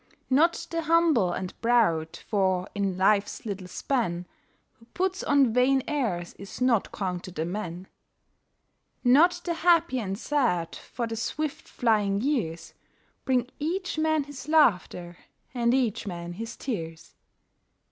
Not the humble and proud, for, in life's little span, Who puts on vain airs is not counted a man. Not the happy and sad, for the swift flying years Bring each man his laughter, and each man his tears.